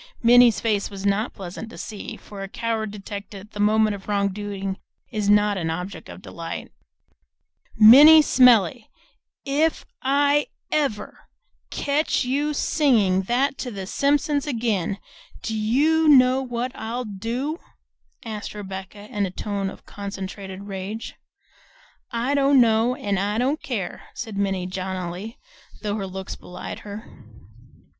Minnie's face was not pleasant to see, for a coward detected at the moment of wrongdoing is not an object of delight. "Minnie Smellie, if ever I catch you singing that to the Simpsons again do you know what I'll do?" asked Rebecca in a tone of concentrated rage. "I don't know and I don't care," said Minnie jauntily, though her looks belied her.